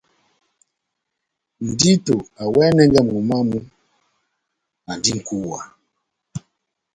Ndito awɛnɛngɛ momó wamu, andi nʼkúwa.